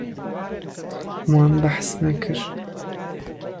Wan behs nekir.